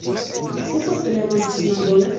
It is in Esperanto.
Ĉu postulemo estas malbona?